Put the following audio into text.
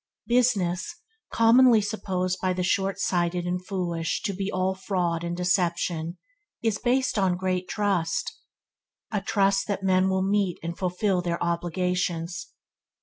Business, commonly supposed by the shortsighted and foolish to be all fraud and deception is based on a great trust – a trust that men will meet and fulfil their obligations.